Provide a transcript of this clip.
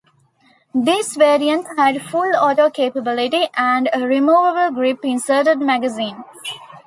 This variant had full auto capability and a removable grip inserted magazine.